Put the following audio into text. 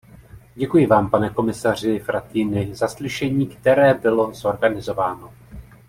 Děkuji vám, pane komisaři Frattini, za slyšení, které bylo zorganizováno.